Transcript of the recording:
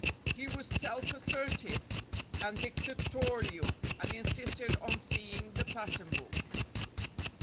He was self assertive and dicta torial, and insisted on seeing the pattern book.